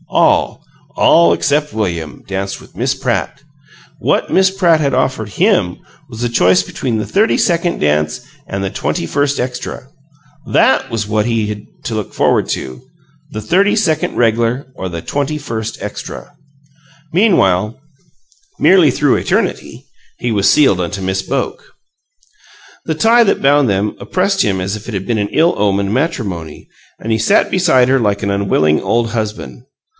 All, all except William, danced with Miss PRATT! What Miss Pratt had offered HIM was a choice between the thirty second dance and the twenty first extra. THAT was what he had to look forward to: the thirty second reg'lar or the twenty first extra! Meanwhile, merely through eternity, he was sealed unto Miss Boke. The tie that bound them oppressed him as if it had been an ill omened matrimony, and he sat beside her like an unwilling old husband.